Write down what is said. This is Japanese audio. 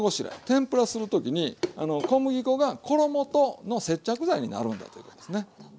天ぷらする時に小麦粉が衣との接着剤になるんだということですね。